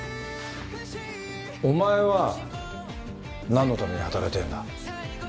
お前は何のために働いてるんだ？